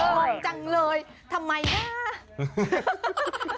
จงอ่างจังเลยทำไมคะ